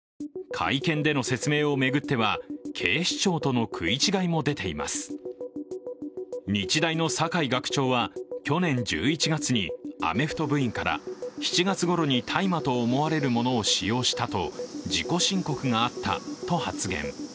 お飾りにならないと胸を張っていましたが、昨日の会見では日大の酒井学長は去年１１月にアメフト部員から７月ごろに大麻と思われるものを使用したと自己申告があったと発言。